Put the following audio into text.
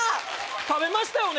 食べましたよね